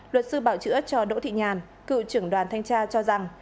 luật sư bảo trữ ấp cho đỗ thị nhàn cựu trưởng đoàn thanh tra cho rằng